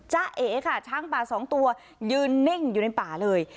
เอ๋ค่ะช้างป่าสองตัวยืนนิ่งอยู่ในป่าเลย